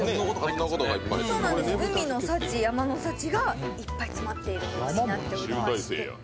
海の幸、山の幸がいっぱい詰まっているものになっておりまして。